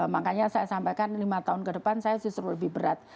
makanya saya sampaikan lima tahun ke depan saya justru lebih berat